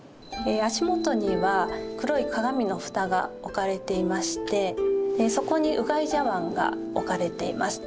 足元には黒い鏡の蓋が置かれていましてそこにうがい茶わんが置かれています。